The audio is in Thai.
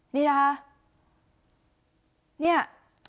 นี่นะคะเนี่ย